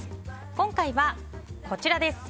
今回はこちらです。